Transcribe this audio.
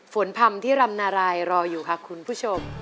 พำที่รำนารายรออยู่ค่ะคุณผู้ชม